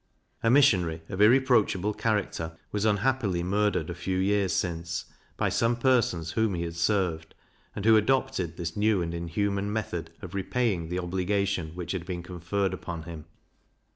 A Missionary, of irreproachable character, was unhappily murdered a few years since, by some persons whom he had served, and who adopted this new and inhuman method of repaying the obligation which had been conferred upon him.